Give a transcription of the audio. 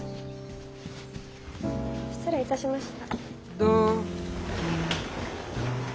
失礼いたしました。